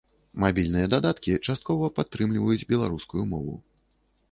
Мабільныя дадаткі часткова падтрымліваюць беларускую мову.